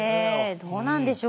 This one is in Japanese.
どうなんでしょう。